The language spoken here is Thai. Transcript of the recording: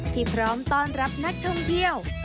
พร้อมต้อนรับนักท่องเที่ยว